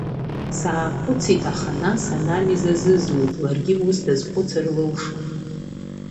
Саахәыцит аха нас анализ азызуит, ларгьы ус дазхәыцыр лылшон.